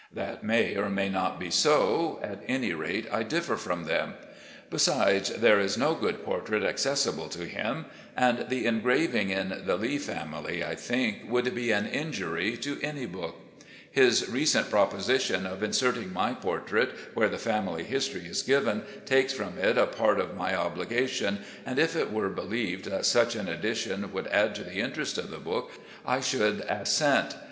That may or may not be so; at any rate, I differ from them. Besides, there is no good portrait accessible to him, and the engraving in *His datighter in law, Mrs. W. H. F. Lee. 366 RECOLLECTIONS OF GENERAL LEE the ' Lee Family ' I think would be an injury to any book. His recent proposition of inserting my portrait where the family history is given takes from it a part of my obliga tion, and if it were believed that such an addition would add to the interest of the book, I should assent.